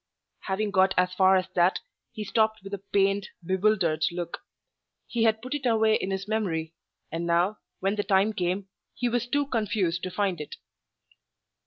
Having got as far as that, he stopped with a pained, bewildered look. He had put it away in his memory, and now, when the time came, he was too confused to find it.